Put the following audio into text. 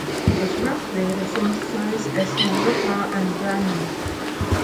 It was roughly the same size as "Europa" and "Bremen".